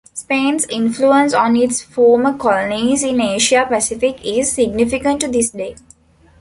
Spain's influence on its former colonies in Asia-Pacific is significant to this day.